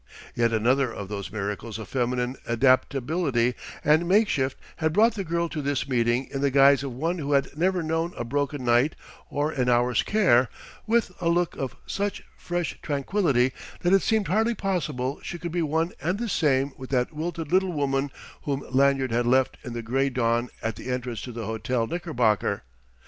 Yet another of those miracles of feminine adaptability and makeshift had brought the girl to this meeting in the guise of one who had never known a broken night or an hour's care, with a look of such fresh tranquility that it seemed hardly possible she could be one and the same with that wilted little woman whom Lanyard had left in the gray dawn at the entrance to the Hotel Knickerbocker.